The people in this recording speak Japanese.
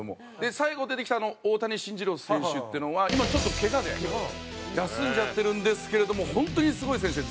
最後出てきた大谷晋二郎選手っていうのは今ちょっとケガで休んじゃってるんですけれども本当にすごい選手で。